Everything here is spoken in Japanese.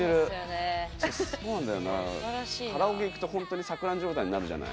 カラオケ行くと、本当に錯乱状態になるじゃない。